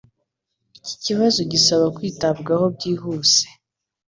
Iki kibazo gisaba kwitabwaho byihuse